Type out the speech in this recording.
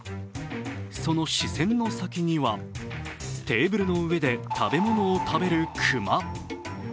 その視線の先にはテーブルの上で食べ物を食べる熊。